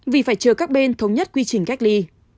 vì phải chờ các bên thống nhất quy trình cách ly